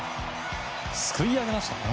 すくい上げましたね。